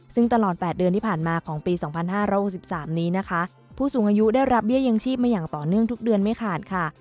ซึ่งตลอด๘เดือนที่ผ่านมาของปี๒๕๖๓นี้นะคะผู้สูงอายุได้รับเบี้ยยังชีพมาอย่างต่อเนื่องทุกเดือนไม่ขาดค่ะ